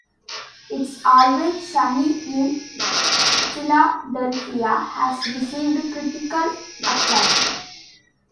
"It's Always Sunny in Philadelphia" has received critical acclaim.